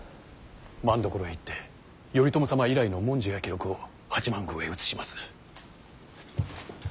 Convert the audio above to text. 政所へ行って頼朝様以来の文書や記録を八幡宮へ移します。